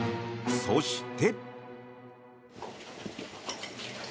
そして。